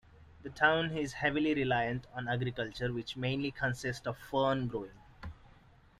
The town is heavily reliant on agriculture which mainly consists of fern growing.